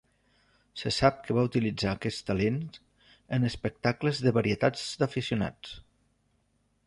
Se sap que va utilitzar aquests talents en espectacles de varietats d'aficionats.